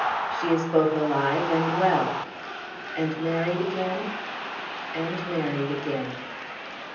"She is both alive and well." "And married again?" "And married again."